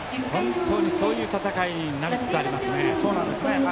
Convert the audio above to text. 本当にそういう戦いになりつつありますね。